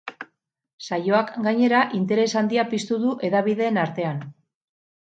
Saioak, gainera, interes handia piztu du hedabideen artean.